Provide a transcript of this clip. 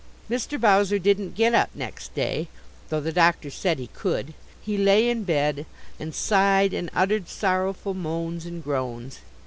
Mr. Bowser didn't get up next day, though the doctor said he could. He lay in bed and sighed and uttered sorrowful moans and groans.